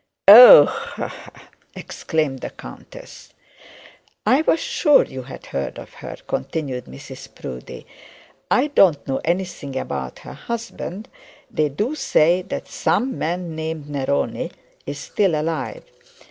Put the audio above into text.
'Oh h h h!' exclaimed the countess. 'I was sure you had heard of her,' continued Mrs Proudie. 'I don't know anything about her husband. They do say that some man named Neroni is still alive.